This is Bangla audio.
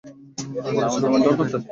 বলেছিলে কুকুর নেই, তাই না?